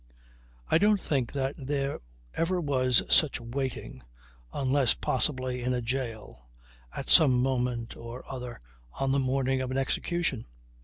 I don't think that there ever was such waiting unless possibly in a jail at some moment or other on the morning of an execution.